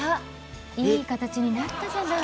いい形になったじゃない。